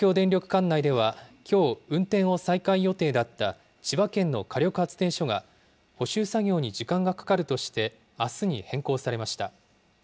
管内では、きょう、運転を再開予定だった千葉県の火力発電所が、補修作業に時間がかかるとして、あすに変更されました。